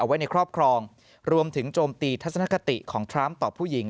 ไว้ในครอบครองรวมถึงโจมตีทัศนคติของทรัมป์ต่อผู้หญิง